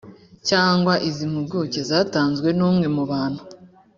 cyangwa iz impuguke zatanzwe n umwe mu bantu